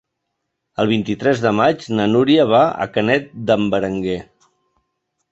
El vint-i-tres de maig na Núria va a Canet d'en Berenguer.